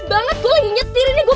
boi boi juara satu